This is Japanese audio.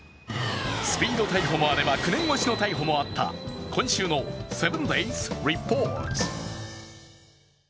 スピード逮捕もあれば９年越しの逮捕もあった今週の「７ｄａｙｓリポート」。